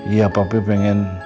iya papi pengen